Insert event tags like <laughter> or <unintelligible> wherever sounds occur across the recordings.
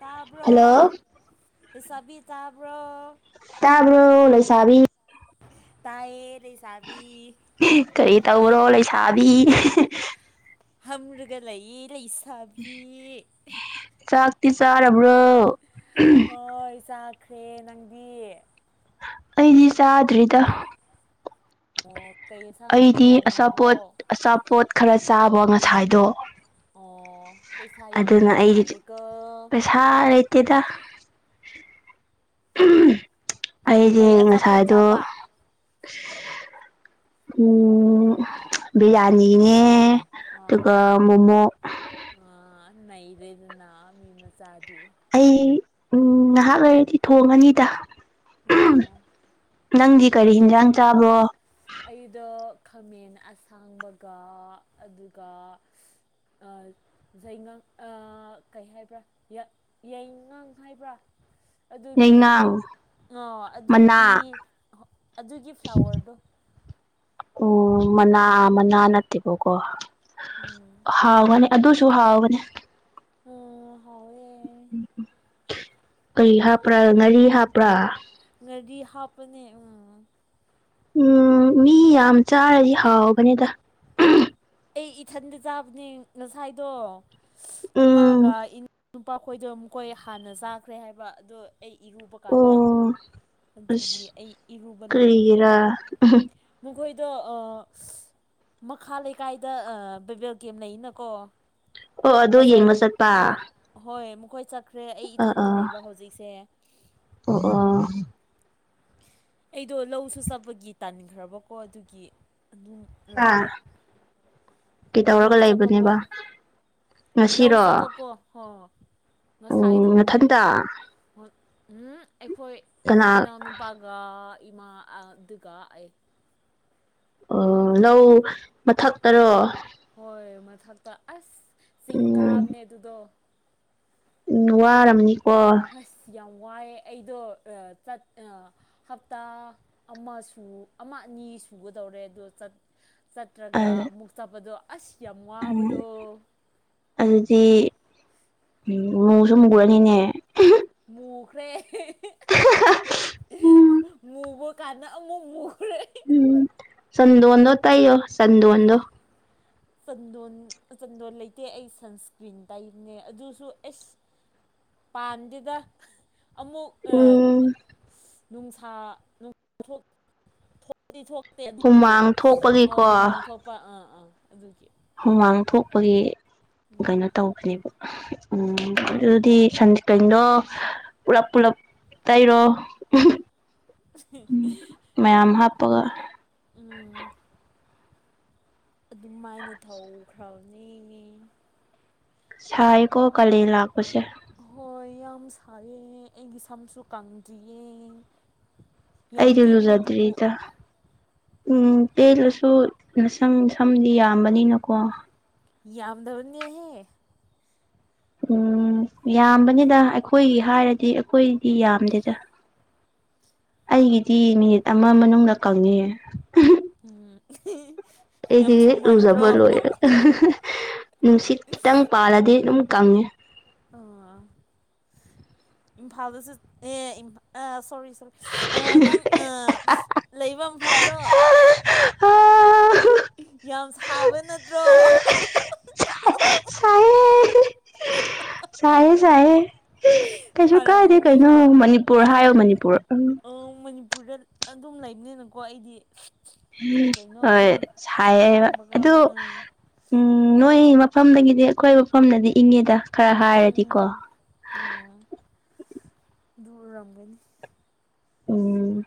ꯇꯥꯕ꯭ꯔꯣ ꯍꯜꯂꯣ ꯂꯩꯁꯥꯕꯤ ꯇꯥꯕ꯭ꯔꯣ ꯇꯥꯕ꯭ꯔꯣ ꯂꯩꯁꯥꯕꯤ ꯇꯥꯏꯌꯦ ꯂꯩꯁꯥꯕꯤ ꯀꯔꯤ ꯇꯧꯔꯣ ꯂꯩꯁꯥꯕꯤ <unintelligible> ꯐꯝꯔꯒ ꯂꯩꯌꯦ ꯂꯩꯁꯥ ꯆꯥꯛꯇꯤ ꯆꯥꯔꯕ꯭ꯔꯣ ꯍꯣꯏ ꯆꯥꯈ꯭ꯔꯦ ꯅꯪꯗꯤ ꯑꯩꯗꯤ ꯆꯥꯗ꯭ꯔꯤꯗ ꯑꯣ ꯀꯩ ꯌꯦꯟꯁꯥꯡ ꯑꯩꯗꯤ ꯊꯣꯡꯈ꯭ꯔꯕꯣ ꯑꯆꯥꯄꯣꯠ ꯑꯆꯥꯄꯣꯠ ꯈꯔ ꯆꯥꯕ ꯉꯁꯥꯏꯗꯣ ꯑꯣ ꯄꯩꯁꯥ ꯌꯥꯝ ꯑꯗꯨꯅ ꯂꯩꯕ ꯃꯥꯜꯂꯦꯀꯣ ꯀꯦꯗ <unintelligible> ꯑꯩꯗꯤ ꯀꯩ ꯑꯆꯥꯄꯣꯠ ꯉꯁꯥꯏꯗꯣ ꯆꯥꯕ ꯎꯝ ꯕꯤꯌꯥꯔꯅꯤꯅꯦ ꯗꯨꯒ ꯑꯥ ꯃꯣꯃꯣ ꯑꯥ ꯅꯩꯔꯦꯗꯅ ꯃꯤ ꯃꯆꯥ ꯑꯩ ꯎꯝ ꯉꯥꯏꯍꯥꯛ ꯂꯩꯔꯗꯤ ꯊꯣꯡꯉꯅꯤꯗ ꯑꯣ ꯅꯪꯗꯤ ꯀꯔꯤ ꯀꯩ ꯍꯦꯟꯖꯥꯡ ꯆꯥꯕ꯭ꯔꯣ ꯑꯩꯗꯣ ꯈꯥꯃꯦꯟ ꯑꯁꯥꯡꯕꯒ ꯑꯂꯨꯒ ꯑ ꯆꯩꯉꯪ ꯑ ꯀꯩ ꯍꯥꯏꯕ꯭ꯔꯥ ꯌꯥꯏꯉꯪ ꯍꯥꯏꯕ꯭ꯔꯥ ꯌꯥꯏꯉꯪ ꯑꯗꯨꯒꯤ ꯑꯣ ꯃꯅꯥ ꯑꯗꯨꯒꯤ ꯑꯗꯨꯒꯤ ꯐ꯭ꯂꯥꯋꯔꯗꯣ ꯎꯝ ꯃꯅꯥ ꯃꯅꯥ ꯅꯠꯇꯦꯕꯣꯀꯣ ꯎꯝ ꯍꯥꯎꯒꯅꯤ ꯑꯗꯨꯁꯨ ꯍꯥꯎꯕꯅꯦ ꯎꯝ ꯍꯥꯎꯋꯦ ꯀꯩ ꯍꯥꯞꯄ꯭ꯔꯥ ꯉꯥꯔꯤ ꯍꯥꯞꯄ꯭ꯔꯥ ꯉꯔꯤ ꯍꯥꯞꯄꯅꯦ ꯎꯝ ꯎꯝ ꯃꯤ ꯌꯥꯝ ꯆꯥꯔꯗꯤ ꯍꯥꯎꯕꯅꯦꯗ ꯑꯩ ꯏꯊꯟꯗ ꯆꯥꯕꯗꯤ ꯉꯁꯥꯏꯗꯣ ꯏꯃꯥꯒ ꯎꯝ ꯅꯨꯄꯥꯈꯣꯏꯗꯣ ꯑꯃꯨꯛꯈꯣꯏ ꯍꯥꯟꯅ ꯆꯥꯈ꯭ꯔꯦ ꯍꯥꯏꯕ ꯑꯗꯣ ꯑꯩ ꯏꯔꯨꯕ ꯀꯥꯟꯗ ꯑꯣ ꯑꯗꯨꯒꯤ ꯑꯁ ꯑꯩ ꯏꯔꯨꯕ ꯂꯣꯏꯔꯒ ꯀꯔꯤꯒꯤꯔꯥ ꯃꯈꯣꯏ ꯑꯗꯣ ꯑ ꯃꯈꯥ ꯂꯩꯀꯥꯏꯗ ꯑ ꯕꯦꯕꯦꯜ ꯀꯦꯝ ꯂꯩꯅꯀꯣ ꯑꯣ ꯑꯗꯣ ꯌꯦꯡꯕ ꯆꯠꯄ ꯑꯩꯈꯣꯏ ꯆꯠꯈ꯭ꯔꯦ ꯑꯩ ꯑꯥ ꯏꯊꯟꯗ ꯑꯥ ꯂꯩꯕ ꯍꯧꯖꯤꯛꯁꯦ ꯑꯣ ꯑꯣ ꯑꯩꯗꯣ ꯂꯧꯁꯨ ꯆꯠꯄꯒꯤ ꯇꯟꯈ꯭ꯔꯕꯀꯣ ꯑꯗꯨꯒꯤ ꯑꯗꯨꯝ ꯑꯥ ꯂꯩꯕ ꯂꯧ ꯀꯩꯇꯧꯔꯒ ꯆꯠꯄꯀꯣ ꯂꯩꯕꯅꯦꯕ ꯂꯧ ꯉꯁꯤꯔꯣ ꯆꯠꯄꯀꯣ ꯍꯣ ꯉꯁꯥꯏꯗꯣ ꯎꯝ ꯅꯊꯟꯇ ꯍꯣꯏ ꯎꯝ ꯑꯩꯈꯣꯏ ꯏꯅꯥꯎꯅꯨ ꯑ ꯏꯃꯥ ꯑ ꯗꯨꯒ ꯑꯩ ꯑꯣ ꯂꯧ ꯃꯊꯛꯇꯔꯣ ꯍꯣꯏ ꯃꯊꯛꯇ ꯑꯁ ꯆꯤꯡ ꯎꯝ ꯀꯥꯕꯅꯦ ꯑꯗꯨꯗꯣ ꯎꯝ ꯋꯥꯔꯝꯅꯤ ꯍꯁ ꯌꯥꯎ ꯋꯥꯏꯑꯦ ꯑꯩꯗꯣ ꯑ ꯆꯠ ꯑ ꯍꯞꯇꯥ ꯑꯃꯁꯨ ꯑꯃ ꯑꯅꯤ ꯁꯨꯒꯗꯧꯔꯦ ꯑꯗꯨ ꯆꯠ ꯑ ꯆꯠꯇ꯭ꯔꯒ ꯑꯃꯨꯛ ꯆꯠꯄꯗꯣ ꯑꯁ ꯌꯥꯝ ꯋꯥꯕꯗꯣ ꯑꯗꯨꯗꯤ ꯎꯝ ꯃꯨꯁꯨ ꯃꯨꯔꯅꯤꯅꯦ ꯃꯨꯈ꯭ꯔꯦ ꯎꯝ ꯃꯨꯕ ꯀꯥꯟꯗ ꯑꯃꯨꯛ ꯃꯨ ꯎꯝ ꯆꯟꯗꯣꯟꯗꯣ ꯇꯩꯌꯣ ꯆꯟꯗꯣꯟꯗꯣ ꯆꯟꯗꯣꯟ ꯆꯟꯗꯣꯟ ꯂꯩꯇꯦ ꯑꯩ ꯁꯟꯁꯀ꯭ꯔꯤꯟ ꯇꯩꯕꯅꯦ ꯑꯗꯨꯁꯨ ꯑꯦꯁ ꯄꯥꯟꯗꯦꯗꯥ ꯑꯃꯨꯛ ꯑ ꯎꯝ ꯅꯨꯡꯁꯥ ꯅꯨꯡ ꯗꯤ ꯊꯣꯛꯇꯦ ꯑꯗꯨꯕꯨ ꯍꯨꯃꯥꯡ ꯑ ꯊꯣꯛꯄꯒꯤꯀꯣ ꯍꯨꯃꯥꯡ ꯊꯣꯛꯄ ꯑꯥ ꯑꯥ ꯑꯗꯨꯒꯤ ꯍꯨꯃꯥꯡ ꯊꯣꯛꯄꯒꯤ ꯎꯝ ꯀꯩꯅꯣ ꯇꯧꯈ꯭ꯔꯦꯕ ꯎꯝ ꯑꯗꯨꯗꯤ ꯁꯟꯁꯀ꯭ꯤꯟꯗꯣ ꯄꯨꯂꯞ ꯄꯨꯂꯞ ꯇꯩꯔꯣ ꯎꯝ ꯃꯌꯥꯝ ꯍꯥꯞꯄꯒ ꯎꯝ ꯑꯗꯨ ꯃꯥꯏꯅꯦ ꯊꯧꯈ꯭ꯔꯕ ꯁꯥꯏꯀꯣ ꯀꯥꯂꯦꯟ ꯂꯥꯛꯄꯁꯦ ꯍꯣꯏ ꯌꯥꯝ ꯁꯥꯏꯌꯦ ꯑꯩꯒꯤ ꯁꯝꯁꯨ ꯀꯪꯗ꯭ꯔꯤꯌꯦ ꯌꯥꯝ ꯑꯩꯗꯤ ꯇꯦꯜꯂꯦ ꯑꯗꯨꯕꯨ ꯂꯨꯖꯗ꯭ꯔꯤꯗ ꯎꯝ ꯇꯦꯜꯂꯁꯨ ꯅꯁꯪ ꯁꯝꯗꯤ ꯌꯥꯝꯕꯅꯤꯅꯀꯣ ꯌꯥꯝꯗꯕꯅꯦꯍꯦ ꯎꯝ ꯎꯝ ꯌꯥꯝꯕꯅꯤꯗ ꯑꯩꯈꯣꯏꯒꯤ ꯍꯥꯏꯔꯗꯤ ꯑꯩꯈꯣꯏꯗꯤ ꯌꯥꯝꯗꯦꯗ ꯑꯩꯒꯤꯗꯤ ꯃꯤꯅꯤꯠ ꯑꯃ ꯃꯅꯨꯡꯗ ꯀꯪꯉꯦ ꯎꯝ ꯌꯥꯝ ꯑꯩꯗꯤ ꯂꯨꯖꯕ ꯊꯨꯃꯟꯗ꯭ꯔꯣ ꯂꯣꯏꯔꯦ ꯅꯨꯡꯁꯤꯠ ꯈꯤꯇꯪ ꯄꯥꯜꯂꯗꯤ ꯑꯗꯨꯝ ꯀꯪꯉꯦ ꯑꯣ ꯏꯝꯐꯥꯜꯗꯁꯨ ꯑꯦ ꯏ ꯑ ꯁꯣꯔꯤ ꯁꯣ ꯑ ꯅꯪ ꯑ ꯂꯩꯕ ꯃꯐꯝꯗꯣ ꯌꯥꯝ ꯁꯥꯕ ꯅꯠꯇ꯭ꯔꯣ <unintelligible> ꯁꯥꯢꯌꯦ ꯁꯥꯢꯌꯦ ꯀꯩꯁꯨ ꯀꯥꯏꯗꯦ ꯁꯥꯔꯝꯒꯅꯤ ꯀꯩꯅꯣ ꯃꯅꯤꯄꯨꯔ ꯍꯥꯏꯌꯣ ꯃꯅꯤꯄꯨꯔ ꯄꯨꯗ ꯑꯗꯨꯝ ꯂꯩꯕꯅꯤꯅꯀꯣ ꯑꯩꯗꯤ ꯀꯩ ꯀꯩꯅꯣ ꯍꯣꯏ ꯑꯗꯨꯝ ꯁꯥꯏꯌꯦ ꯉꯥꯡꯕꯀꯣ ꯑꯗꯨ ꯎꯝ ꯎꯝ ꯅꯣꯏ ꯐꯝꯗꯒꯤꯗꯤ ꯑꯩꯈꯣꯏ ꯃꯐꯝꯅꯗꯤ ꯏꯪꯉꯦꯗ ꯈꯔ ꯍꯥꯏꯔꯗꯤꯀꯣ ꯎꯝ ꯎꯝ ꯑꯗꯨ ꯎꯔꯝꯒꯅꯤ ꯎꯝ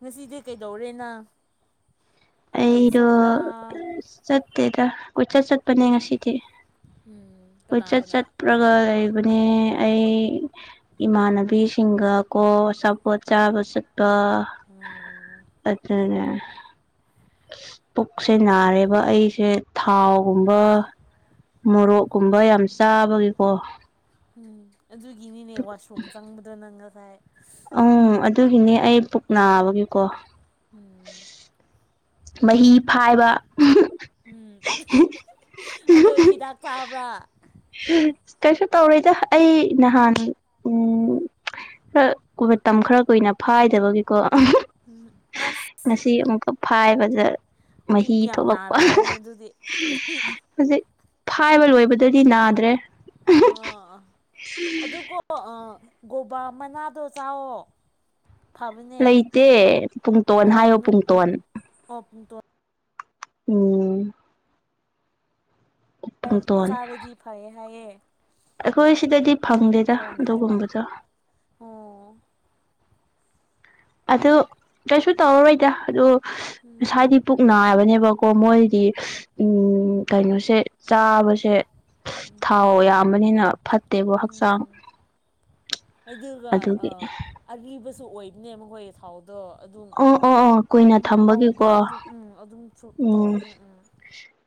ꯉꯁꯤꯗꯤ ꯀꯩꯗꯧꯔꯦ ꯅꯪ ꯀꯣꯂꯦꯖ ꯑꯩꯗꯣ ꯆꯠꯄ꯭ꯔꯥ ꯆꯠꯇꯦꯗ ꯀꯣꯏꯆꯠ ꯆꯠꯄꯅꯦ ꯉꯁꯤꯗꯤ ꯎꯝ ꯀꯅꯥ ꯀꯣꯏꯆꯠ ꯀꯅꯥ ꯆꯠꯄ꯭ꯔꯒ ꯂꯩꯕꯅꯦ ꯑꯩ ꯏꯃꯥꯟꯅꯕꯤꯁꯤꯡꯒ ꯀꯣ ꯑꯆꯥꯄꯣꯠ ꯆꯥꯕ ꯆꯠ ꯄ ꯎꯝ ꯑꯗꯅꯦ ꯄꯨꯛꯁꯦ ꯅꯥꯔꯦꯕ ꯑꯩꯁꯦ ꯊꯥꯎꯒꯨꯝꯕ ꯃꯣꯔꯣꯛꯀꯨꯝꯕ ꯌꯥꯝ ꯆꯥꯕꯒꯤꯀꯣ ꯎꯝ ꯑꯗꯨꯒꯤꯅꯤꯅꯦ ꯋꯥꯁꯔꯨꯝ ꯆꯪꯕꯗꯣ ꯅꯪ ꯉꯁꯥꯏ ꯑꯝ ꯑꯗꯨꯒꯤꯅꯦ ꯑꯩ ꯄꯨꯛ ꯅꯥꯕꯒꯤꯀꯣ ꯎꯝ ꯃꯍꯤ ꯐꯥꯏꯕ ꯎꯝ ꯑꯗꯣ ꯍꯤꯗꯥꯛ ꯇꯥꯕ꯭ꯔꯥ ꯀꯩꯁꯨ ꯇꯧꯔꯣꯏꯗ ꯑꯩ ꯅꯍꯥꯟ ꯎꯝ ꯈꯔ ꯀꯨꯔꯇꯝ ꯈꯔ ꯀꯨꯏꯅ ꯐꯥꯏꯗꯕꯒꯤꯀꯣ ꯑꯁ ꯉꯁꯤ ꯑꯃꯨꯛꯀ ꯐꯥꯏꯕꯗ ꯄꯨꯛ ꯃꯍꯤ ꯌꯥꯝ ꯊꯣꯛꯂꯛꯄ ꯅꯥꯔꯝꯒꯅꯤ ꯑꯗꯨꯗꯤ ꯍꯧꯖꯤꯛ ꯐꯥꯏꯕ ꯂꯣꯏꯕꯗꯗꯤ ꯅꯥꯗ꯭ꯔꯦ ꯑ ꯑꯗꯨꯀꯣ ꯑ ꯒꯣꯕꯥ ꯃꯅꯥꯗꯣ ꯆꯥꯎꯋꯣ ꯐꯕꯅꯦ ꯂꯩꯇꯦ ꯄꯨꯡꯇꯣꯟ ꯑꯣ ꯍꯥꯏꯌꯣ ꯅꯨ ꯄꯨꯡꯇꯣꯟ ꯑꯣ ꯄꯨꯡꯇꯣꯟ ꯎꯝ ꯄꯨꯡꯇꯣꯟ ꯆꯥꯔꯗꯤ ꯐꯩꯌꯦ ꯍꯥꯏꯌꯦ ꯑꯩꯈꯣꯏ ꯁꯤꯗꯗꯤ ꯐꯪꯗꯦꯗ ꯄꯨꯡꯇꯣꯟ ꯍꯥꯏꯕ ꯑꯗꯨꯒꯨꯝꯕꯗꯣ ꯑꯣ ꯑꯗꯨ ꯀꯩꯁꯨ ꯇꯧꯔꯔꯣꯏꯗ ꯑꯗꯨ ꯎꯝ ꯉꯁꯥꯏꯗꯤ ꯄꯨꯛ ꯅꯥꯏꯕꯅꯦꯕꯀꯣ ꯃꯣꯏ ꯗꯤ ꯎꯝ ꯀꯩꯅꯣꯁꯦ ꯆꯥꯕꯁꯦ ꯊꯥꯎ ꯌꯥꯝꯕꯅꯤꯅ ꯐꯠꯇꯦꯕ ꯍꯛꯆꯥꯡ ꯎꯝ ꯑꯩ ꯑꯗꯨꯒ ꯑ ꯑꯗꯨꯒꯤ ꯑꯂꯤꯕꯨꯁꯨ ꯑꯣꯏ ꯏꯅꯦꯕ ꯍꯣꯏ ꯊꯥꯎꯗꯣ ꯑꯗꯨꯝ ꯑꯣ ꯑꯣ ꯑꯣ ꯀꯨꯏꯅ ꯑꯃꯨꯛ ꯉꯧꯕ ꯊꯝꯕꯒꯤꯀꯣ ꯑꯗꯨꯝ ꯑꯗꯨꯝꯁꯨ ꯎꯝ ꯇꯧꯕꯅꯦ ꯎꯝ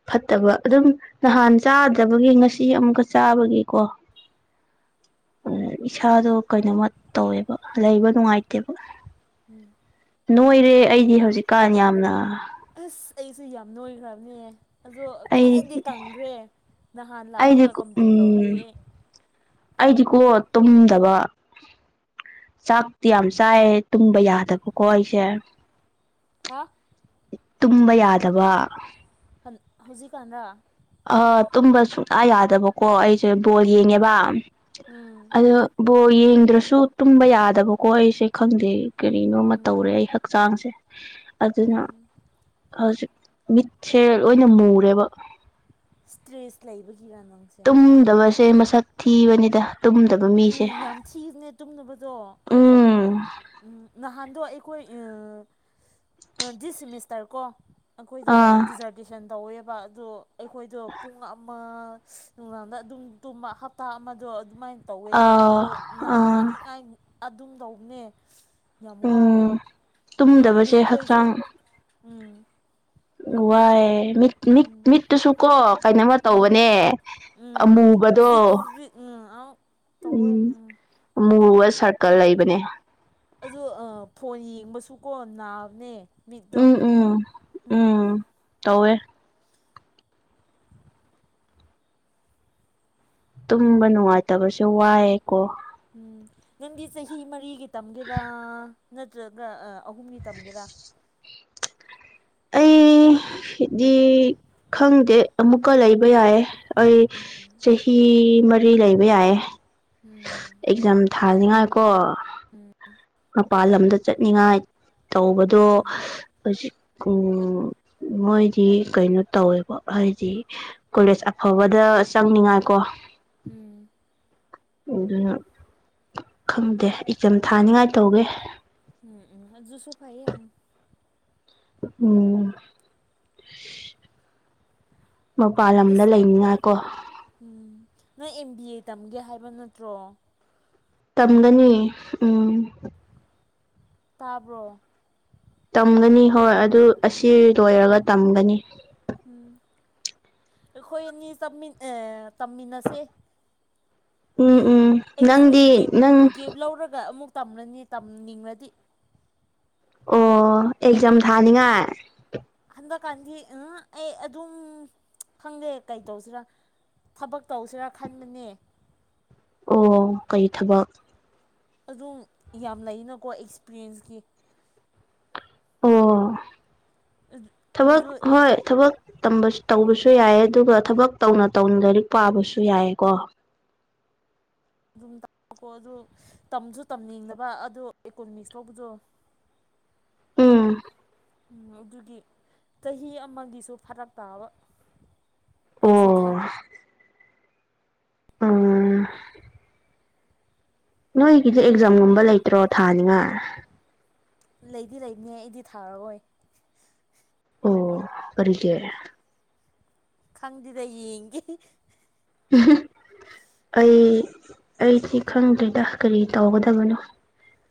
ꯐꯠꯇꯕ ꯑꯗꯨꯝ ꯅꯍꯥꯟ ꯆꯥꯗꯕꯒꯤ ꯉꯁꯤ ꯑꯃꯨꯛꯀ ꯆꯥꯕꯒꯤꯀꯣ ꯏꯁꯥꯗꯣ ꯀꯩꯅꯣꯝꯃ ꯇꯧꯋꯦꯕ ꯂꯩꯕ ꯅꯨꯡꯉꯥꯏꯇꯦꯕ ꯎꯝ ꯅꯣꯏꯔꯦ ꯑꯩꯗꯤ ꯍꯧꯖꯤꯛꯀꯥꯟ ꯌꯥꯝꯅ ꯑꯁ ꯑꯩꯁꯨ ꯌꯥꯝ ꯅꯣꯏꯈ꯭ꯔꯝꯅꯦ ꯑꯗꯣ ꯑꯩ ꯈꯔꯗꯤ ꯀꯪꯈ꯭ꯔꯦ ꯅꯍꯥꯟ ꯑꯩꯗꯤ ꯂꯥꯛꯄꯒ ꯀꯝꯄ꯭ꯌꯔ ꯎꯝ ꯇꯧꯔꯗꯤ ꯑꯩ ꯑꯩꯗꯤꯀꯣ ꯇꯨꯝꯗꯕ ꯆꯥꯛꯇꯤ ꯌꯥꯝ ꯆꯥꯏꯌꯦ ꯇꯨꯝꯕ ꯌꯥꯗꯕꯀꯣ ꯑꯩꯁꯦ ꯍꯥ ꯇꯨꯝꯕ ꯌꯥꯗꯕ ꯍꯧꯖꯤꯛꯀꯥꯟꯔ ꯑ ꯇꯨꯝꯕ ꯁꯨꯛꯌꯥ ꯌꯥꯗꯕꯀꯣ ꯑꯩꯁꯦ ꯕꯣꯜ ꯌꯦꯡꯉꯦꯕ ꯎꯝ ꯑꯗꯣ ꯕꯣꯜ ꯌꯦꯡꯗ꯭ꯔꯁꯨ ꯇꯨꯝꯕ ꯌꯥꯗꯕꯀꯣ ꯑꯩꯁꯦ ꯈꯪꯗꯦ ꯀꯔꯤꯅꯣꯃ ꯎꯝ ꯇꯧꯔꯦ ꯑꯩ ꯍꯛꯆꯥꯡꯁꯦ ꯑꯗꯨꯅ ꯍꯧꯖꯤꯛ ꯃꯤ ꯊꯦꯔꯦꯜ ꯑꯣꯏꯅ ꯃꯨꯨꯔꯦꯕ ꯏꯁꯇ꯭ꯔꯦꯁ ꯂꯩꯕꯒꯤꯔ ꯅꯪꯁꯦ ꯁꯦ ꯃꯁꯛ ꯊꯤꯕꯅꯤꯗ ꯇꯨꯝꯗꯕ ꯃꯤꯁꯦ ꯎꯝ ꯌꯥꯝ ꯊꯤꯕꯅꯦ ꯇꯨꯝꯅꯕꯗꯣ ꯑꯩ ꯀꯣ ꯎꯝ ꯎꯝ ꯅꯍꯥꯟ ꯑꯗꯣ ꯑꯩꯈꯣꯏ <unintelligible> ꯗꯤꯁ ꯁꯤꯃꯤꯁꯇꯔ ꯀꯣ ꯑꯩꯈꯣꯏꯗꯣ ꯑꯥ ꯗꯤꯖꯔꯗꯦꯁꯟ ꯇꯧꯋꯦꯕ ꯑꯗꯣ ꯑꯩꯈꯣꯏꯗꯣ ꯄꯨꯡ ꯑꯃ ꯅꯨꯡꯗꯥꯡꯗ ꯑꯗꯨꯝ ꯗꯨꯝꯃ ꯍꯞꯇꯥ ꯑꯃꯗꯣ ꯑꯗꯨꯃꯥꯏ ꯇꯧꯋꯦꯕ ꯑꯥ ꯑꯗꯨꯗꯣ ꯑꯥ ꯅꯥꯅꯤꯡꯉꯥꯏ ꯑꯗꯨꯝ ꯇꯧꯕꯅꯦ ꯌꯥꯝ ꯋꯥꯏꯌꯦ ꯎꯝ ꯗꯣ ꯇꯨꯝꯗꯕꯁꯦ ꯃꯤꯠꯈꯣꯏꯖꯨ ꯋꯥꯏꯌꯦ ꯃꯤꯠꯀꯤꯅꯤꯛ ꯎꯝ ꯃꯤꯠꯇꯨꯁꯨꯀꯣ ꯀꯩꯅꯣꯝꯃ ꯎꯝ ꯇꯧꯕꯅꯦ ꯎꯝ ꯑꯃꯨꯕꯗꯣ ꯖꯤꯛ ꯖꯤꯛ ꯎꯝ ꯑꯥꯎ ꯇꯧꯋꯦ ꯎꯝ ꯃꯨꯕ ꯁꯔꯀꯜ ꯂꯩꯕꯅꯦ ꯑꯗꯣ ꯐꯣꯟ ꯌꯦꯡꯕꯁꯨꯀꯣ ꯅꯥꯕꯅꯦ ꯃꯤꯠꯗꯣ ꯎꯝ ꯎꯝ ꯎꯝ ꯇꯧꯋꯦ ꯇꯨꯝꯕ ꯅꯨꯡꯉꯥꯏꯇꯕꯁꯨ ꯋꯥꯏꯌꯦꯀꯣ ꯎꯝ ꯅꯪꯗꯤ ꯆꯍꯤ ꯃꯔꯤꯒꯤ ꯇꯝꯒꯦꯔꯥ ꯅꯠꯇ꯭ꯔꯒ ꯑ ꯑꯍꯨꯝꯒꯤ ꯇꯝꯒꯦꯔꯥ <inaudible> ꯑꯩꯗꯤ ꯈꯪꯗꯦ ꯑꯃꯨꯛꯀ ꯂꯩꯕ ꯌꯥꯏꯦ ꯑꯩ ꯆꯍꯤ ꯃꯔꯤ ꯂꯩꯕ ꯌꯥꯏꯌꯦ ꯎꯝ ꯑꯦꯛꯖꯥꯝ ꯊ ꯊꯥꯅꯤꯡꯉꯥꯏꯀꯣ ꯎꯝ ꯃꯄꯥꯜ ꯂꯝꯗ ꯆꯠꯅꯤꯡꯉꯥꯏ ꯎꯝ ꯇꯧꯕꯗꯣ ꯎꯝ ꯍꯧꯖꯤꯛ ꯎꯝ ꯃꯣꯏꯗꯤ ꯀꯩꯅꯣ ꯇꯧꯋꯦꯕ ꯍꯥꯏꯗꯤ ꯀꯣꯂꯦꯖ ꯑꯐꯕꯗ ꯆꯪꯅꯤꯡꯉꯥꯏꯀꯣ ꯎꯝ ꯑꯗꯨ ꯈꯪꯗꯦ ꯑꯦꯛꯖꯝ ꯊꯥꯅꯤꯉꯥꯏ ꯇꯧꯒꯦ ꯎꯝ ꯎꯝ ꯑꯗꯨꯁꯨ ꯐꯩꯌꯦ ꯌꯥꯝ ꯎꯝ ꯃꯄꯥꯟ ꯂꯝꯗ ꯑꯁ ꯂꯩꯅꯤꯉꯥꯏ ꯀꯣ ꯅꯣꯏ ꯑꯦꯝ ꯕꯤ ꯑꯦ ꯇꯝꯒꯦ ꯍꯥꯏꯕ ꯅꯠꯇ꯭ꯔꯣ ꯇꯝꯒꯅꯤ ꯎꯝ ꯇꯥꯕ꯭ꯔꯣ ꯇꯝꯒꯅꯤ ꯍꯣꯏ ꯑꯗꯨ ꯑꯁꯤ ꯎꯝ ꯂꯣꯏꯔꯒ ꯇꯝꯒꯅꯤ ꯎꯝ ꯑꯩꯈꯣꯏ ꯑꯅꯤ ꯆꯪꯃꯤꯟ ꯑꯦ ꯇꯝꯃꯤꯟꯅꯁꯦ ꯎꯝ ꯎꯝ ꯑꯩꯒꯤꯁꯨ ꯅꯪꯗꯤ ꯒꯦꯞ ꯅꯪ ꯒꯦꯞ ꯂꯧꯔꯒ ꯑꯃꯨꯛ ꯇꯝꯂꯅꯤ ꯇꯝꯅꯤꯡꯔꯗꯤ ꯑꯣ ꯑꯦꯛꯖꯥꯝ ꯊꯥꯅꯤꯡꯉꯥꯏ ꯍꯟꯗꯛꯀꯥꯟꯗꯤ ꯎ ꯑꯩ ꯑꯗꯨꯝ ꯈꯪꯗꯦ ꯀꯩꯇꯧꯁꯤꯔꯥ ꯊꯕꯛ ꯇꯧꯁꯤꯔꯥ ꯈꯟꯕꯅꯦ ꯑꯣ ꯀꯩ ꯊꯕꯛ ꯑꯗꯨꯝ ꯌꯥꯝ ꯂꯩꯅꯀꯣ ꯑꯦꯛꯁꯄꯔꯤꯌꯦꯟꯁꯀꯤ ꯑꯣ ꯑꯗꯨ ꯊꯕꯛ ꯑꯗꯨ ꯍꯣꯏ ꯊꯕꯛ ꯇꯝ ꯇꯧꯕꯁꯨ ꯎꯝ ꯌꯥꯏ ꯑꯗꯨꯒ ꯊꯕꯛ ꯇꯧꯅ ꯇꯧꯅ ꯂꯥꯏꯔꯤꯛ ꯄꯥꯕꯁꯨ ꯌꯥꯏꯌꯦꯀꯣ ꯎꯝ ꯀꯣ ꯑꯗꯨ ꯇꯝꯁꯨ ꯇꯝꯅꯤꯡꯗꯕ ꯑꯗꯨ ꯑꯦꯀꯨꯅꯣꯃꯤꯛꯁ ꯇꯧꯕꯗꯣ <unintelligible> ꯎꯝ ꯅꯪꯍꯧꯗ꯭ꯔꯗꯤ ꯆꯍꯤ ꯑꯃꯒꯤꯁꯨ ꯐꯔꯛ ꯇꯥꯕ ꯀꯩꯁꯨ ꯈꯪ ꯑꯣ ꯎꯝ ꯅꯣꯏꯒꯤꯗꯤ ꯑꯦꯛꯖꯥꯝꯒꯨꯝꯕ ꯂꯩꯇ꯭ꯔꯣ ꯊꯥꯅꯤꯉꯥꯏ ꯂꯩꯗꯤ ꯂꯩꯕꯅꯦ ꯑꯩꯗꯤ ꯊꯥꯔꯔꯣꯏ ꯑꯣ ꯀꯔꯤꯒꯤ ꯈꯪꯗꯦꯗ ꯌꯦꯡꯒꯦ <unintelligible> ꯑꯩ ꯑꯩꯁꯤ ꯈꯪꯗ꯭ꯔꯦꯗ ꯀꯔꯤ ꯇꯧꯒꯗꯕꯅꯣ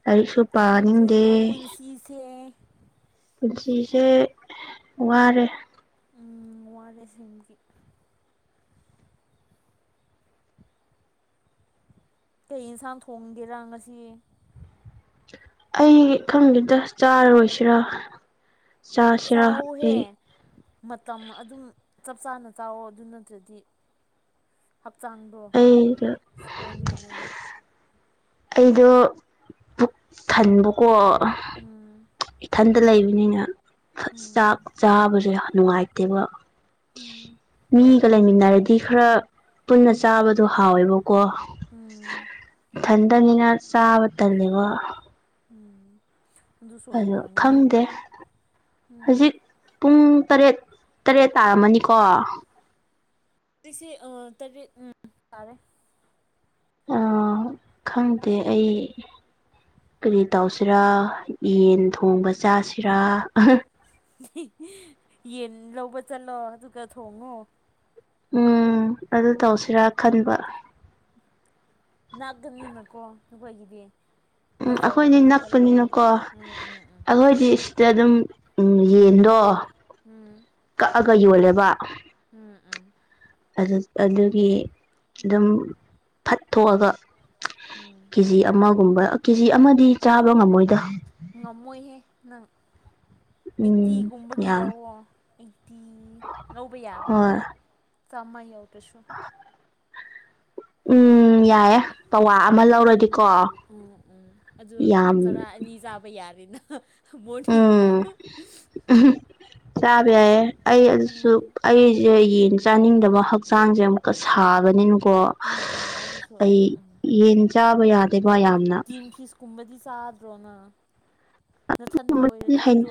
ꯂꯥꯏꯔꯤꯛꯁꯨ ꯄꯥꯅꯤꯡꯗꯦ ꯈꯪꯗ꯭ꯔꯤꯀꯣ ꯄꯨꯟꯁꯤꯁꯦ ꯄꯨꯟꯁꯤꯁꯦ ꯋꯥꯔꯦ ꯎꯝ ꯋꯥꯔꯦ ꯁꯦꯡꯕꯒꯤ ꯀꯩ ꯌꯦꯟꯁꯥꯡ ꯊꯣꯡꯒꯦꯔꯥ ꯉꯁꯤ ꯑꯩ ꯈꯪꯗꯦꯗ ꯆꯥꯔꯔꯣꯏꯁꯤꯔꯥ ꯆꯥꯁꯤꯔꯥ ꯆꯥꯎꯍꯦ ꯑꯩ ꯃꯇꯝ ꯑꯗꯨꯝ ꯆꯞ ꯆꯥꯅ ꯆꯥꯎꯋꯣ ꯑꯗꯨ ꯅꯠꯇ꯭ꯔꯗꯤ ꯍꯛꯆꯥꯡꯗꯣ ꯑꯩꯗꯣ ꯁꯣꯟꯒꯅꯤ ꯑꯩꯗꯣ ꯄꯨꯛ ꯊꯟꯕꯀꯣ ꯎꯝ ꯏꯊꯟꯇ ꯂꯩꯕꯅꯤꯅ ꯎꯝ ꯆꯥꯛ ꯆꯥꯕꯁꯦ ꯅꯨꯡꯉꯥꯏꯇꯦꯕ ꯎꯝ ꯇ ꯂꯩꯃꯤꯟꯅꯔꯗꯤ ꯈꯔ ꯄꯨꯟꯅ ꯎꯝ ꯆꯥꯕꯗꯣ ꯍꯥꯎꯋꯦꯕꯀꯣ ꯎꯝ ꯏꯊꯟꯇꯅꯤꯅ ꯆꯥꯕ ꯇꯜꯂꯦꯕ ꯎꯝ ꯑꯗꯨꯁꯨ ꯑꯗꯨ ꯑꯣꯏꯔꯝꯒꯅꯤ ꯈꯪꯗꯦ ꯎꯝ ꯍꯖꯤꯛ ꯄꯨꯡ ꯇꯔꯦꯠ ꯇꯔꯦꯠ ꯇꯥꯔꯝꯃꯅꯤꯀꯣ ꯖꯤꯛꯁꯤ ꯑ ꯇꯔꯦꯠ ꯎꯝ ꯇꯥꯔꯦ ꯑꯥ ꯈꯪꯗꯦ ꯑꯩ ꯀꯔꯤ ꯇꯧꯁꯤꯔꯥ ꯌꯦꯟ ꯊꯣꯡꯕ ꯆꯥꯁꯤꯔꯥ ꯌꯦꯟ ꯂꯧꯕ ꯆꯠꯂꯣ ꯑꯗꯨꯒ ꯊꯣꯡꯉꯣ ꯎꯝ ꯑꯗꯨ ꯇꯧꯁꯤꯔꯥ ꯈꯟꯕ ꯅꯥꯥꯛꯀꯅꯤꯅꯀꯣ ꯅꯈꯣꯏꯒꯤꯗꯤ ꯎꯝ ꯕꯖꯥꯔ ꯑꯩꯈꯣꯏꯗꯤ ꯃꯅꯥꯛꯇ ꯂꯩꯕꯅꯦ ꯅꯛꯄꯅꯤꯅꯀꯣ ꯎꯝ ꯎꯝ ꯎꯝ ꯑꯩꯈꯣꯏꯗꯤ ꯁꯤꯗ ꯑꯗꯨꯝ ꯎꯝ ꯌꯦꯟꯗꯣ ꯎꯝ ꯀꯛꯑꯒ ꯌꯣꯜꯂꯦꯕ ꯎꯝ ꯎꯝ ꯑꯗꯨ ꯑꯗꯨꯒꯤ ꯑꯗꯨꯝ ꯐꯠ ꯊꯣꯛꯑꯒ ꯎꯝ ꯀꯦꯖꯤ ꯑꯃꯒꯨꯝꯕ ꯀꯦꯖꯤ ꯑꯃꯗꯤ ꯆꯥꯕ ꯉꯝꯃꯣꯏꯗ ꯉꯝꯃꯣꯏꯍꯦ ꯅꯪ ꯎꯝ ꯑꯩꯠꯇꯤꯒꯨꯝꯕꯒꯤ ꯌꯥꯝ ꯂꯧꯑꯣ ꯇꯤ ꯂꯧꯕ ꯌꯥꯕ꯭ꯔꯥ ꯍꯣꯏ ꯆꯥꯝꯃ ꯌꯧꯗ꯭ꯔꯁꯨ ꯎꯝ ꯌꯥꯏꯑꯦ ꯎꯝ ꯎꯝ ꯎꯝ ꯑꯗꯨ ꯌꯥꯝ ꯆꯔꯥ ꯑꯅꯤ ꯆꯥꯕ ꯌꯥꯔꯦꯅ ꯃꯣꯔꯅꯤꯡ ꯎꯝ ꯐꯥꯎ ꯆꯥꯕ ꯌꯥꯏꯌꯦ ꯑꯩ ꯑꯗꯨꯁꯨ ꯎꯝ ꯑꯩꯁꯦ ꯌꯦꯟ ꯆꯥꯅꯤꯡꯗꯕ ꯍꯛꯆꯥꯡꯁꯦ ꯑꯃꯨꯛꯀ ꯁꯥꯕꯅꯤꯅꯀꯣ ꯎꯝ ꯎꯝ ꯑꯗꯨ ꯁꯣꯛꯑꯦ ꯑꯩ ꯎꯝ ꯌꯦꯟ ꯆꯥꯕ ꯌꯥꯥ ꯇꯤꯟ ꯐꯤꯁ ꯀꯨꯝꯕꯗꯤ ꯆꯥꯗ꯭ꯔꯣꯅꯪ ꯅꯊꯟꯗ ꯑꯣꯏꯔꯗꯤ ꯑꯗꯨ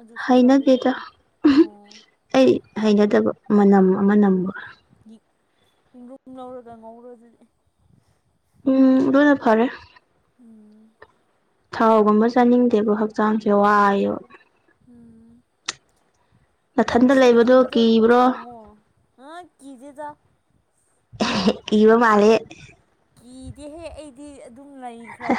ꯑꯗꯨꯁꯨ ꯆꯥꯕ ꯍꯩꯅꯗꯦꯗ ꯌꯥꯏꯅꯦ ꯑꯣ ꯑꯩ ꯍꯩꯅꯗꯕ ꯃꯅꯝ ꯑꯃ ꯅꯝꯕ ꯌꯦꯔꯨꯝ ꯉꯧꯔꯒ ꯉꯧꯔꯣꯗꯨꯗꯤ ꯎꯝ ꯑꯗꯨꯅ ꯐꯔꯦ ꯎꯝ ꯊꯥꯎꯒꯨꯝꯕ ꯆꯥꯅꯤꯡꯗꯦꯕ ꯍꯛꯆꯥꯡꯁꯦ ꯋꯥꯏꯑꯦꯕ ꯎꯝ ꯅꯊꯟꯗ ꯂꯩꯕꯗꯣ ꯀꯥꯡꯁꯣꯏꯒꯨꯝꯕꯗ ꯀꯤꯕ꯭ꯔꯣ ꯊꯣꯡꯉꯣ ꯑ ꯀꯤꯗꯦꯗ ꯀꯤꯕ ꯃꯥꯂꯦ ꯀꯤꯗꯦꯍꯦ ꯑꯩꯗꯤ ꯑꯗꯨꯝ ꯂꯩꯈ꯭ꯔꯕ